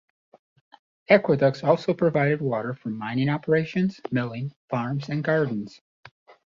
Aqueducts also provided water for mining operations, milling, farms and gardens.